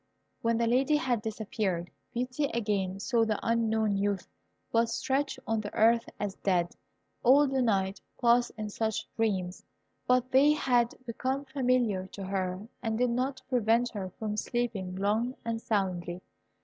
When the Lady had disappeared, Beauty again saw the unknown youth, but stretched on the earth as dead. All the night passed in such dreams; but they had become familiar to her, and did not prevent her from sleeping long and soundly.